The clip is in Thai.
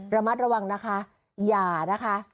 ระมัดระวังนะคะอย่านะคะ